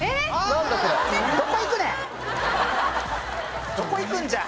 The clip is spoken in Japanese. どこ行くんじゃ！